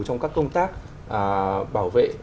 trong các công tác bảo vệ